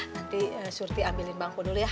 nanti surti ambilin bangku dulu ya